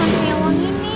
kenapa kamu punya orang ini